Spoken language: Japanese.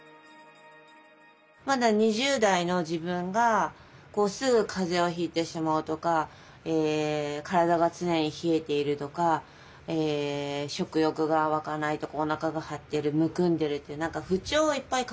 まだ２０代の自分がすぐ風邪をひいてしまうとか体が常に冷えているとか食欲が湧かないとかお腹が張ってるむくんでるっていう何か不調をいっぱい抱えてたんですね。